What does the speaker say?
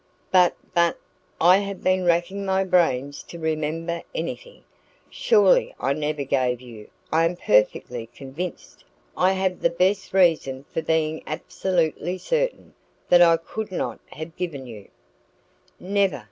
"But but I have been racking my brains to remember anything surely I never gave you I am perfectly convinced, I have the best reason for being absolutely certain, that I could not have given you " "Never!"